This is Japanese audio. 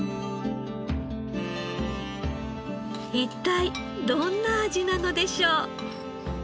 一体どんな味なのでしょう？